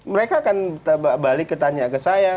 mereka akan balik ketanya ke saya